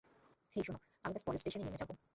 হেই, শোনো, আমি ব্যস পরের স্টেশনেই নেমে যাবো।